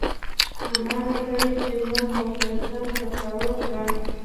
هماغه ګړۍ چې ما غوښتل ځان پټاو کړم.